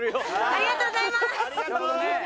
ありがとうございます！